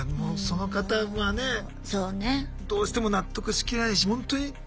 その方はねどうしても納得しきれないしほんとに。